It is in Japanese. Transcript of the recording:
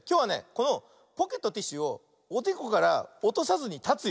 このポケットティッシュをおでこからおとさずにたつよ。